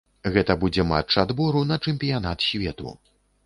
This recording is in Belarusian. Гэта будзе матч адбору на чэмпіянат свету.